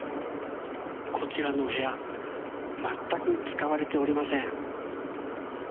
こちらの部屋全く使われておりません。